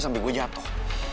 sampai gue jatuh